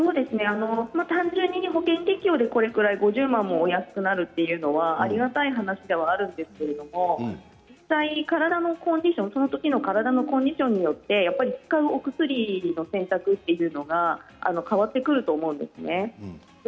単純に保険適用で５０万円もお安くなるのはありがたい話ではあるんですけれどそのときの体のコンディションによって使うお薬の選択というのが変わってくると思うんですね。